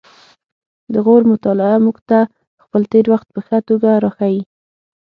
د غور مطالعه موږ ته خپل تیر وخت په ښه توګه راښيي